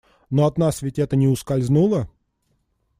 Но от нас ведь это не ускользнуло.